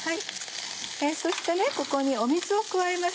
そしてここに水を加えます。